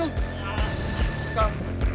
lu pergi dah